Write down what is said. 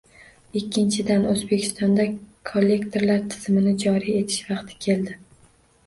Ikkinchidan, O'zbekistonda kollektorlar tizimini joriy etish vaqti keldi